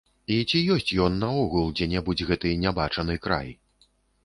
І ці ёсць ён наогул дзе-небудзь, гэты нябачаны край?